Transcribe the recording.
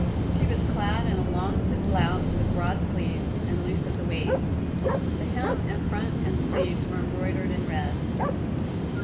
She was clad in a long blue blouse with broad sleeves, and loose at the waist the hem and front and sleeves were embroidered in red.